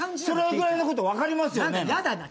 それぐらい分かりますよね？」